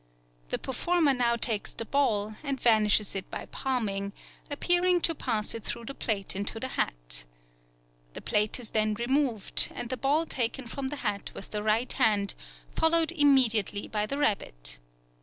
The performer now takes the ball, and vanishes it by palming; appearing to pass it through the plate into the hat. The plate is then removed, and the ball taken from the hat with the right hand, followed immediately by the rabbit.